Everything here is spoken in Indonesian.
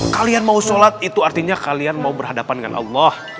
kalian mau sholat itu artinya kalian mau berhadapan dengan allah